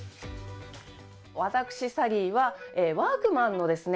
私サリーは、ワークマンのですね